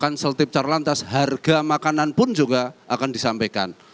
konsultif carlantas harga makanan pun juga akan disampaikan